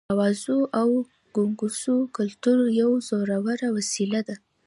د اوازو او ګونګوسو کلتور یوه زوروره وسله ده.